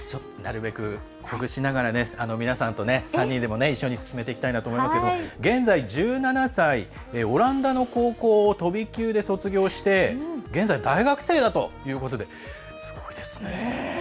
なるべく、ほぐしながら皆さんと３人で一緒に進めていきたいと思いますけれども現在１７歳、オランダの高校を飛び級で卒業して現在、大学生だということですごいですね。